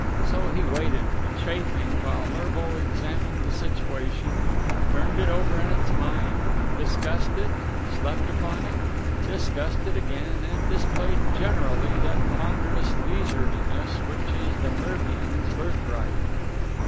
So he waited, chafing, while Mervo examined the situation, turned it over in its mind, discussed it, slept upon it, discussed it again, and displayed generally that ponderous leisureliness which is the Mervian's birthright.